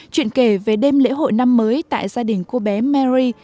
chuyện kể về đêm lễ hội năm mới tại gia đình cô bé mary